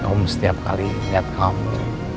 om setiap kali lihat club